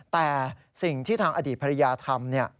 แต่สิ่งที่ทางอดีตภรรยาทำ